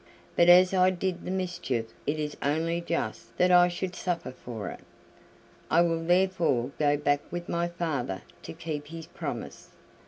But as I did the mischief it is only just that I should suffer for it. I will therefore go back with my father to keep his promise."